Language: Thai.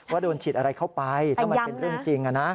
ว่าโดนฉีดอะไรเข้าไปถ้ามันเป็นเรื่องจริง